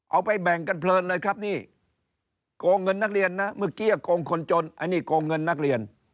แบ่งกันเพลินเลยครับนี่โกงเงินนักเรียนนะเมื่อกี้โกงคนจนอันนี้โกงเงินนักเรียน